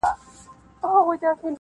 نه ښراوي سي تاوان ور رسولای-